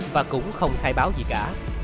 và cũng không thay báo gì cả